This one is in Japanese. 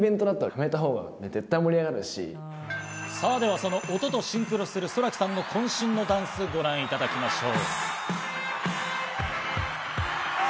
その音とシンクロするＳｏｒａＫｉさんの渾身のダンスをご覧いただきましょう。